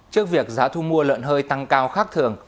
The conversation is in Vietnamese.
trước việc giá thu mua lợn hơi tăng cao khác thường